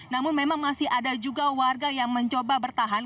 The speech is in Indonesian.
namun memang masih ada juga warga yang mencoba bertahan